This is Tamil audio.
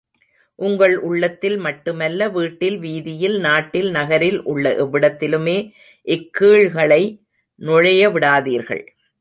உங்கள் உள்ளத்தில் மட்டுமல்ல, வீட்டில், வீதியில், நாட்டில், நகரில் உள்ள எவ்விடத்திலுமே இக் கீழ்களை நுழையவிடாதீர்கள்.